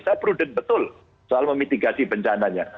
saya prudent betul soal memitigasi bencananya